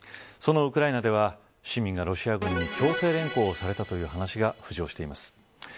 そのウクライナでは市民がロシア軍に強制連行されたという話が浮上しています。